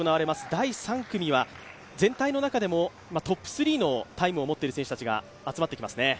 第３組は全体の中でもトップ３のタイムを持っている選手たちが集まってきますね。